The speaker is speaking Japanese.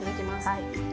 はい。